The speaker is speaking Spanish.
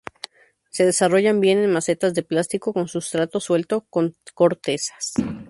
Se desarrollan bien en macetas de plástico con sustrato suelto con cortezas.